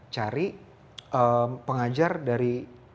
cari pengajar dari